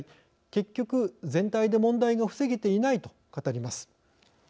結局全体で問題が防げていない」と語ります。